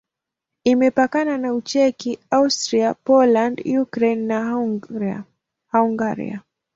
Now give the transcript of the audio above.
Imepakana na Ucheki, Austria, Poland, Ukraine na Hungaria.